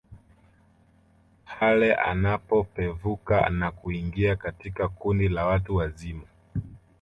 Pale anapopevuka na kuingia katika kundi la watu wazima